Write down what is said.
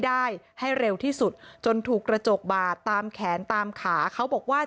ได้ให้เร็วที่สุดจนถูกกระจกบาดตามแขนตามขาเขาบอกว่า